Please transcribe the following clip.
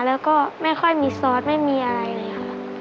แล้วก็ไม่ค่อยมีซอสไม่มีอะไรเลยค่ะ